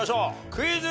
クイズ。